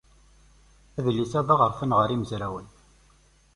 Adlis-a d aɣerfan ɣer yimezrawen.